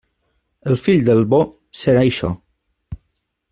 El fill del bo serà això.